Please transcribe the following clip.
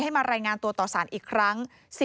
มารายงานตัวต่อสารอีกครั้ง